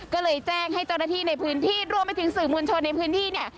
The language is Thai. ก็เลยแจ้งให้เจ้าหน้าที่ในพื้นที่รวมไปถึงสื่อมวลชนในพื้นที่เนี่ย